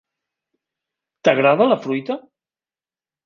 T'agrada la fruita?